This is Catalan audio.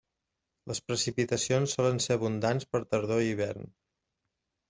Les precipitacions solen ser abundants per tardor i hivern.